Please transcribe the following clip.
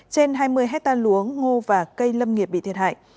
trên hai mươi hectare lúa ngô và cây lâm nghiệp bị thiệt hại